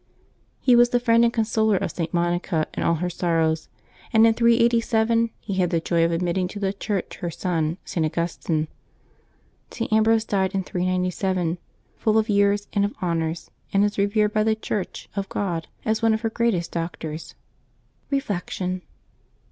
He was the friend and consoler of St. Monica in all her sor rows, and in 387 he had the joy of admitting to the Church her son, St. Augustine. St. Ambrose died in 397, full of years and of honors, and is revered by the Church of Ck)d as one of her greatest doctors. Reflection.